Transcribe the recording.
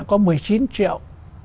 có một mươi chín triệu